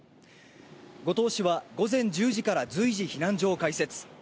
五島市は午前１０時から随時避難所を開設。